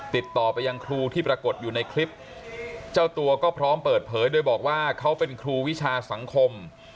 ติดต่อไปยังครูที่ปรากฏอยู่ในคลิปเจ้าตัวก็พร้อมเปิดเผยโดยบอกว่าเขาเป็นครูวิชาสังคม